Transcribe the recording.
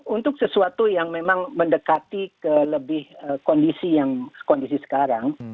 untuk sesuatu yang memang mendekati ke lebih kondisi yang kondisi sekarang